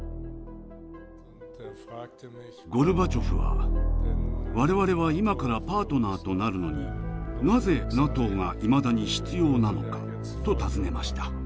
ゴルバチョフは「我々は今からパートナーとなるのになぜＮＡＴＯがいまだに必要なのか？」と尋ねました。